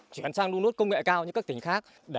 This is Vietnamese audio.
chuyển sang nung đốt công nghệ cao như các tỉnh khác